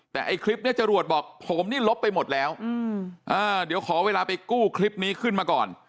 แต่ไอ้คลิปนี้จรวดบอกผมนี่ลบไปหมดแล้วเดี๋ยวขอเวลาไปกู้คลิปนี้ขึ้นมาก่อน